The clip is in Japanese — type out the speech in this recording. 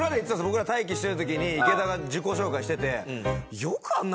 僕ら待機してる時に池田が自己紹介してて。